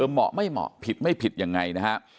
เหมาะไม่เหมาะผิดไม่ผิดยังไงนะฮะ